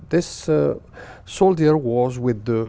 họ đã rời đi